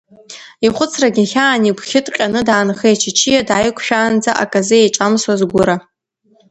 Ихәыцрагьы хьаан, игәгьы ҭҟьаны даанхеит, чычиа дааиқәшәаанӡа аказы еиҿамсуаз Гәыра.